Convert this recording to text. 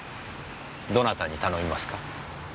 どなたに頼みますか？